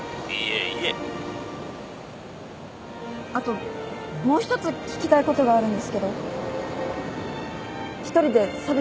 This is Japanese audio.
あともう一つ聞きたいことがあるんですけど一人で寂しくないですか？